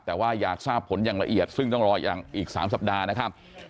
แต่ว่าอยากทราบผลอย่างละเอียดซึ่งต้องรออีก๓สัปดาห์นะครับ